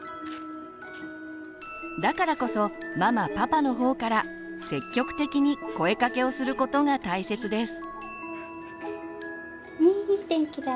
だからこそママパパの方から積極的に声かけをすることが大切です。